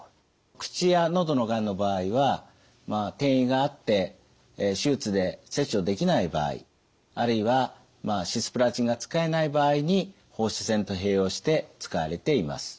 口や喉のがんの場合は転移があって手術で切除できない場合あるいはシスプラチンが使えない場合に放射線と併用して使われています。